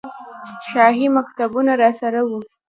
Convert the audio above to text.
شاهي مکتوبونه راسره وو.